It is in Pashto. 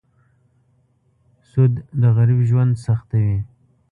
سود د غریب ژوند سختوي.